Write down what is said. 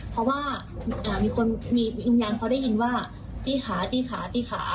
เพราะว่ามีคนมีวิญญาณเขาได้ยินว่าที่ขาที่ขาที่ขา